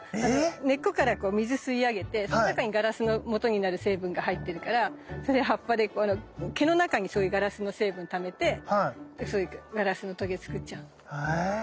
根っこから水吸い上げてその中にガラスのもとになる成分が入ってるからそれ葉っぱで毛の中にそういうガラスの成分ためてそういうガラスのとげ作っちゃうの。へ。